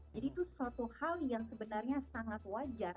jadi itu suatu hal yang sebenarnya sangat wajar